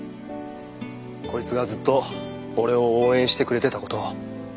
こいつがずっと俺を応援してくれていた事を。